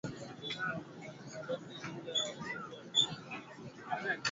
Wale watakaoendelea wasije kuilaumu serikali kwa hatua zitakazochukuliwa dhidi yao